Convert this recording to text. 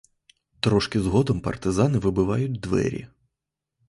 Трошки згодом партизани вибивають двері.